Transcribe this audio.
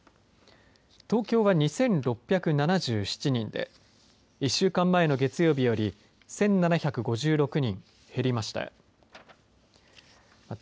東京は２６７７人で１週間前の月曜日より１７５６人減りました。